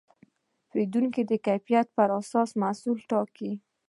پیرودونکي د کیفیت پر اساس محصول ټاکي.